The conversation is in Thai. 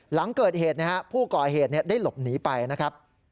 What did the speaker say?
หลังเกิดเหตุนะฮะผู้ก่อเหตุได้หลบหนีไปนะครับ